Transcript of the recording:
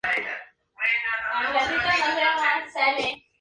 Es completamente compatible con los sistemas de fermentación de maíz y de sorgo.